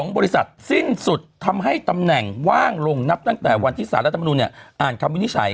บริษัทสิ้นสุดทำให้ตำแหน่งว่างลงนับตั้งแต่วันที่สารรัฐมนุนอ่านคำวินิจฉัย